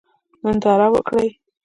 ننداره وکړئ.